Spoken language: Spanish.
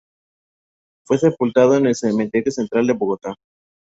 Fue sepultado en el Cementerio Central de Bogotá.